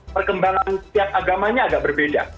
perkembangan setiap agamanya agak berbeda